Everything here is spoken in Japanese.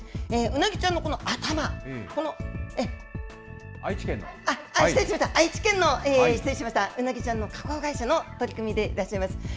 ウナギちゃんのこの頭、失礼しました、愛知県の、失礼しました、ウナギちゃんの加工会社の取り組みでいらっしゃいます。